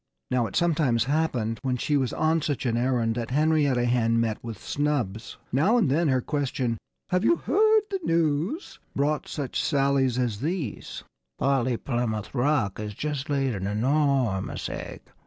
Now, it sometimes happened, when she was on such an errand, that Henrietta Hen met with snubs. Now and then her question "Have you heard the news?" brought some such sallies as these: "Polly Plymouth Rock has just laid an enormous egg!